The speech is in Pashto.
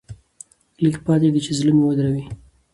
لېږ پاتې دي چې زړه مې ودري.